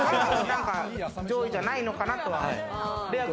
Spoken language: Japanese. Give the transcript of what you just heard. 上位じゃないのかなとは。